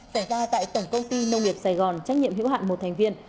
xảy ra tại tổng công ty nông nghiệp sài gòn trách nhiệm hữu hạn một thành viên